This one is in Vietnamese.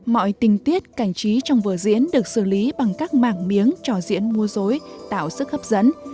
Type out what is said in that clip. mọi tình tiết cảnh trí trong vở diễn được xử lý bằng các mảng miếng cho diễn mua dối tạo sức hấp dẫn